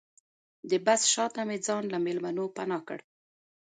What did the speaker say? د بس شاته مې ځان له مېلمنو پناه کړ.